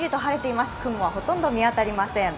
雲はほとんど見当たりません。